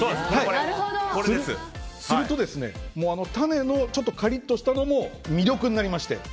すると、種のカリッとしたのも魅力になりまして。